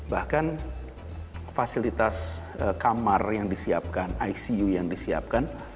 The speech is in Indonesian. bahkan fasilitas kamar yang disiapkan icu yang disiapkan